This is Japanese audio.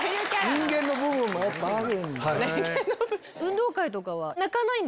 人間の部分もやっぱあるんだ。